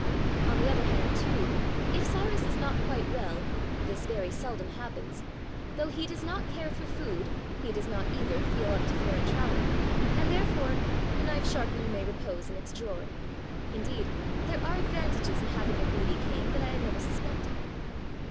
On the other hand, too, if Cyrus is not quite well (this very seldom happens), though he does not care for food, he does not, either, feel up to foreign travel, and, therefore, the knife sharpener may repose in its drawer. Indeed, there are advantages in having a greedy king that I had never suspected.